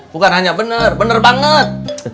bukan hanya benar benar banget